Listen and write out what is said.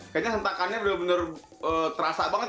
kayaknya sentakannya bener bener terasa banget